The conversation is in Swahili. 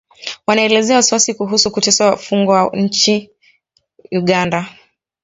Wanaelezea wasiwasi kuhusu kuteswa wafungwa nchini Uganda